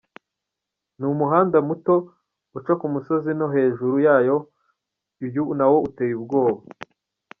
Ni umuhanda muto uca ku imisozi no hejuru yayo uyu nawo uteye ubwoba.